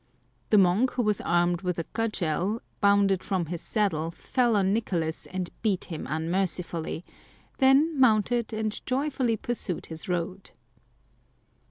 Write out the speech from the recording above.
The monk, who was armed with a cudgel, bounded from his saddle, fell on Nicolas, and beat him unmercifully, then mounted and joyfully pursued his road.